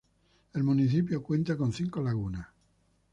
El municipio cuenta con cinco lagunas.